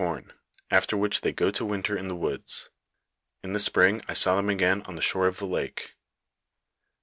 corn, after which they go to winter in the woods j in the spring I saw them again on the shore of the lake."